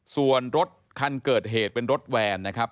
ส่วนรถคันเกิดเหตุเป็นรถแวนนะครับ